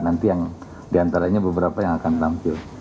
nanti yang diantaranya beberapa yang akan tampil